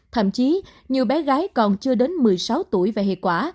thậm chí nhiều bé gái còn chưa đến một mươi sáu tuổi và hệ quả